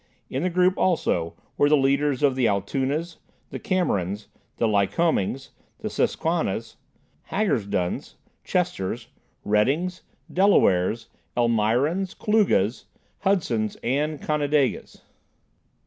In the group also were the leaders of the Altoonas, the Camerons, the Lycomings, Susquannas, Harshbargs, Hagersduns, Chesters, Reddings, Delawares, Elmirans, Kiugas, Hudsons and Connedigas.